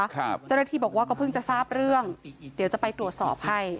เจ้าหน้าที่บอกว่าก็เพิ่งจะทราบเรื่องเดี๋ยวจะไปตรวจสอบให้